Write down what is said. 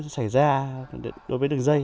xảy ra đối với đường dây